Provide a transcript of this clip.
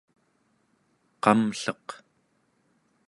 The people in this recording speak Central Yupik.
qamlleq